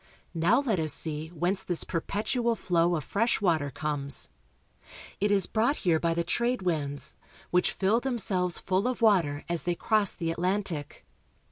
Now let us see whence this perpetual flow of fresh water comes. It is brought here by the trade winds, which fill them selves full of water as they cross the Atlantic.